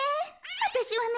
わたしはね